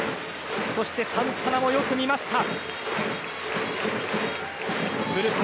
そしてサンタナもよく見ました。